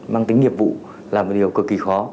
mang tính nghiệp vụ là một điều cực kỳ khó